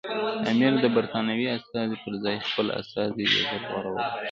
امیر د برټانوي استازي پر ځای خپل استازی لېږل غوره وبلل.